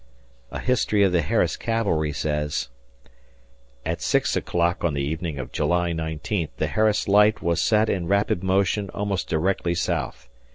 A history of the Harris Cavalry says: At six o'clock on the evening of July 19th the Harris Light was set in rapid motion almost directly south.